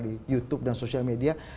di youtube dan social media